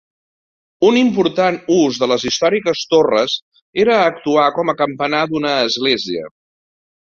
Un important ús de les històriques torres era actuar com a campanar d'una església.